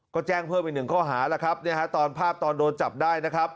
ก็แจ้งเพิ่มอีกหนึ่งข้อหาตอนภาพตอนโดนจับได้